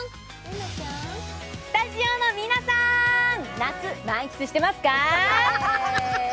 スタジオの皆さん、夏満喫してますか？